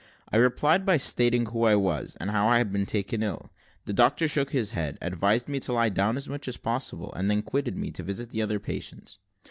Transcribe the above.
I replied by stating who I was, and how I had been taken ill. The doctor shook his head, advised me to lie down as much as possible, and then quitted me to visit the other patients.